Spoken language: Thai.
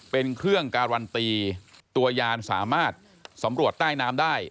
เป็นเครื่องการันตีตัวยานสามารถสำรวจใต้น้ำได้